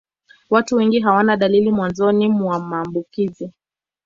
Watu wengi hawana dalili mwanzoni mwa maambukizi.